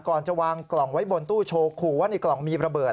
ก่อนจะวางกล่องไว้บนตู้โชว์ขู่ว่าในกล่องมีระเบิด